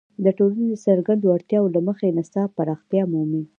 د ټولنې د څرګندو اړتیاوو له مخې نصاب پراختیا مومي.